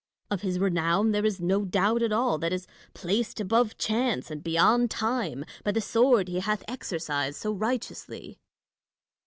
Of his renown there is no doubt at all : that is placed above chance and beyond time, by the sword he hath exercised so righteously.